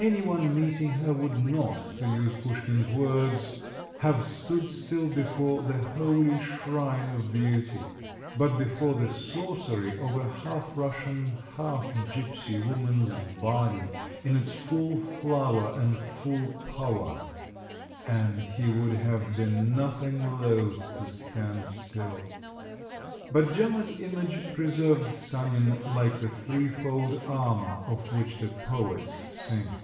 Any one meeting her would not, to use Pushkin's words, have stood still before "the holy shrine of beauty," but before the sorcery of a half Russian, half Gipsy woman's body in its full flower and full power … and he would have been nothing loath to stand still! But Gemma's image preserved Sanin like the three fold armour of which the poets sing.